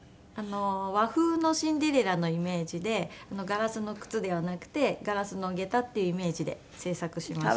和風の『シンデレラ』のイメージでガラスの靴ではなくてガラスの下駄っていうイメージで制作しました。